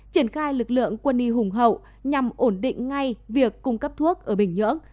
triển khai lực lượng quân y hùng hậu nhằm ổn định ngay việc cung cấp thuốc ở bình nhưỡng